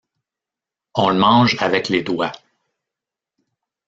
On le mange avec les doigts.